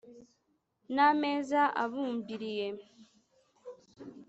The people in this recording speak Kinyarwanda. N'ameza abumbiriye.